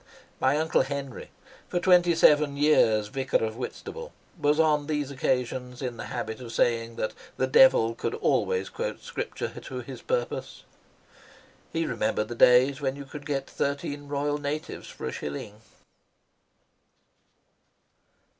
My Uncle Henry, for twenty seven years Vicar of Whitstable, was on these occasions in the habit of saying that the devil could always quote scripture to his purpose. He remembered the days when you could get thirteen Royal Natives for a shilling.